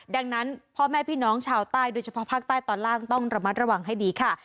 ดังนั้นพ่อแม่พี่น้องชาวใต้โดยเฉพาะภาคใต้ตอนล่างต้องระมัดระวังให้ดีค่ะ